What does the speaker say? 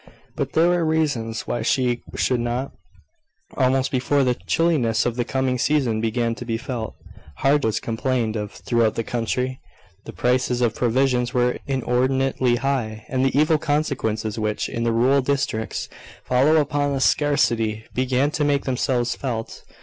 But there were reasons why she should not. Almost before the chilliness of the coming season began to be felt, hardship was complained of throughout the country. The prices of provisions were inordinately high; and the evil consequences which, in the rural districts, follow upon a scarcity, began to make themselves felt.